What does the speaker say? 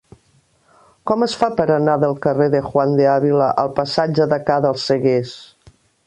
Com es fa per anar del carrer de Juan de Ávila al passatge de Ca dels Seguers?